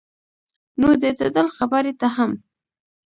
نو د اعتدال خبرې ته هم